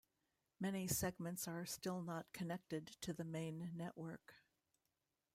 Many segments are still not connected to the main network.